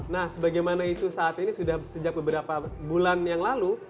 nah sebagaimana isu saat ini sudah sejak beberapa bulan yang lalu